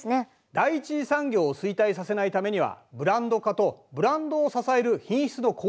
第１次産業を衰退させないためにはブランド化とブランドを支える品質の向上が重要だ。